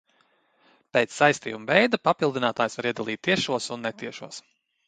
Pēc saistījuma veida papildinātājus var iedalīt tiešos un netiešos.